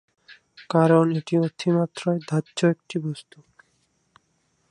কারণ এটি অতিমাত্রায় দাহ্য একটি বস্তু।